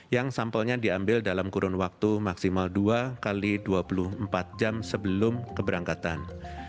yang sampelnya diambil dalam kurun waktu maksimal dua x dua puluh empat jam sebelum keberangkatan